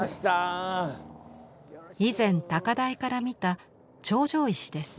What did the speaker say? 以前高台から見た頂上石です。